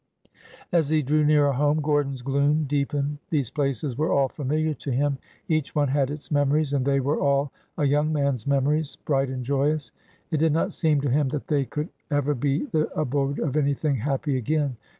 As he drew nearer home, Gordon's gloom deepened. These places were all familiar to him; each one had its memories, and they were all a young man's memories — bright and joyous. It did not seem to him that they could ever be the abode of anything happy again.